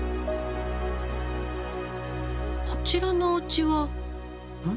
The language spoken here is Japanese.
こちらのおうちはん？